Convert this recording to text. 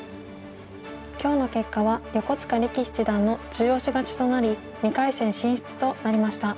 今日の結果は横塚力七段の中押し勝ちとなり２回戦進出となりました。